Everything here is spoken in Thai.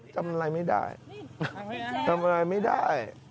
จำไล่ไม่ได้จำไล่ไม่ได้